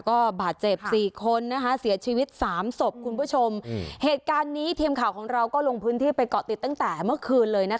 ก็บาดเจ็บสี่คนนะคะเสียชีวิตสามศพคุณผู้ชมเหตุการณ์นี้ทีมข่าวของเราก็ลงพื้นที่ไปเกาะติดตั้งแต่เมื่อคืนเลยนะคะ